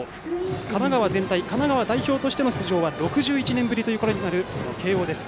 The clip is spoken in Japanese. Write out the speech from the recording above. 神奈川全体神奈川代表としての出場は６１年ぶりとなる慶応です。